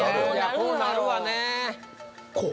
こうなるわねこう？